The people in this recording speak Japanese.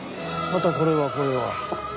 またこれはこれは。